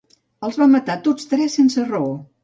Els va matar tots tres sense raó.